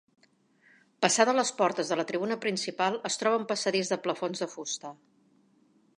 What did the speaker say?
Passades les portes de la tribuna principal es troba un passadís de plafons de fusta